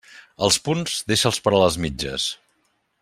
Els punts, deixa'ls per a les mitges.